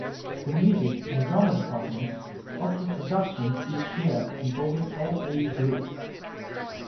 The Music and Drama departments offer productions each year involving all age groups.